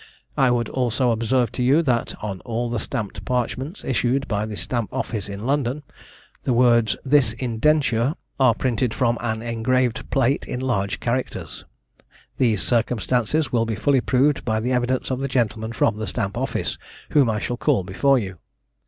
I would also observe to you that on all the stamped parchments, issued by the Stamp office in London, the words "This Indenture," are printed from an engraved plate in large characters. These circumstances will be fully proved by the evidence of the gentlemen from the Stamp office, whom I shall call before you.